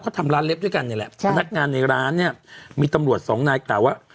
เขาทำร้านเล็บด้วยกันเนี่ยแหละพนักงานในร้านเนี่ยมีตำรวจสองนายกล่าวว่า